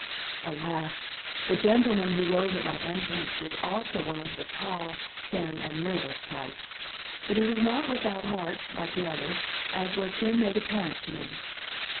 Alas! the gentleman who rose at my entrance was also one of the tall, thin and nervous type. But he was not without heart, like the other, as was soon made apparent to me.